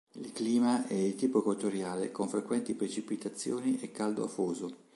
Il Clima è di tipo equatoriale con frequenti precipitazioni e caldo afoso.